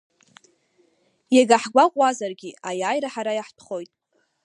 Иага ҳгәаҟуазаргьы, аиааира ҳара иаҳтәхоит!